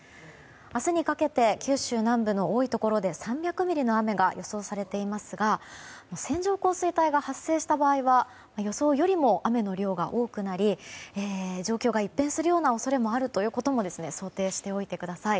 明日にかけて九州南部の多いところで３００ミリの雨が予想されていますが線状降水帯が発生した場合は予想よりも雨の量が多くなり状況が一変するような恐れもあるということも想定しておいてください。